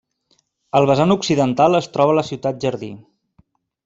Al vessant occidental es troba la Ciutat Jardí.